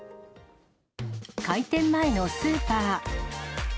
開店前のスーパー。